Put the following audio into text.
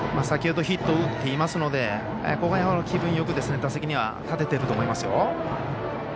先ほどヒットを打っていますのでここは気分よく打席には立てていると思いますよ。